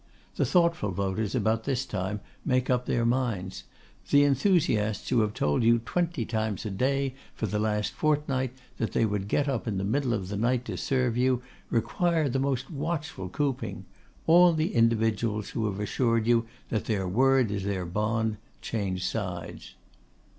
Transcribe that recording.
The thoughtful voters about this time make up their minds; the enthusiasts who have told you twenty times a day for the last fortnight, that they would get up in the middle of the night to serve you, require the most watchful cooping; all the individuals who have assured you that 'their word is their bond,' change sides.